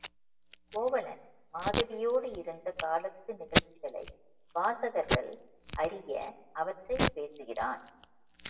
கோவலன் மாதவியோடு இருந்த காலத்து நிகழ்ச்சிகளை வாசகர்கள் அறிய அவற்றைப் பேசுகிறான்.